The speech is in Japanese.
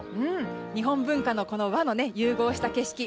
日本文化の和の融合した景色